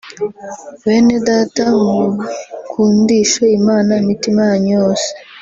Benedata mukundishe Imana imitima yanyu yose